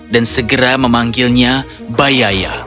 dan segera memanggilnya bayaya